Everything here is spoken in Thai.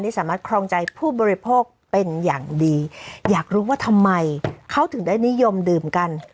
สามารถครองใจผู้บริโภคเป็นอย่างดีอยากรู้ว่าทำไมเขาถึงได้นิยมดื่มกัน